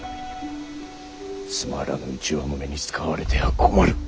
つまらぬ内輪もめに使われては困る。